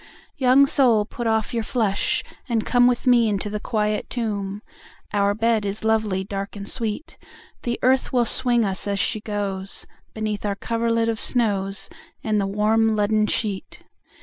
II. Young soul put off your flesh, and come With me into the quiet tomb, Our bed is lovely, dark, and sweet; The earth will swing us, as she goes, Beneath our coverlid of snows, And the warm leaden sheet.